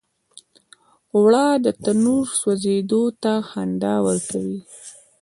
اوړه د تنور سوزیدو ته خندا ورکوي